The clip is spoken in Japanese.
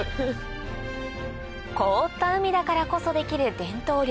凍った海だからこそできる伝統漁